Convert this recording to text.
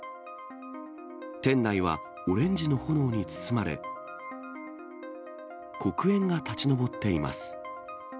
店内はオレンジの炎に包まれ、黒煙が立ち上っています。